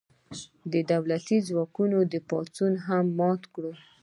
دولتي ځواکونو دا پاڅون هم مات کړ.